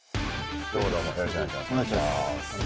よろしくお願いします。